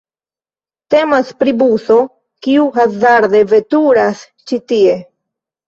Temas pri buso, kiu hazarde veturas ĉi tie.